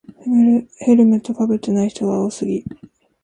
ヘルメットかぶってない人が多すぎ